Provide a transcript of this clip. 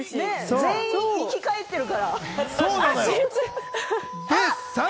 全員生きかえってるから。